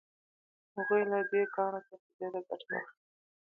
هغوی له دې کاڼو څخه ډیره ګټه واخیسته.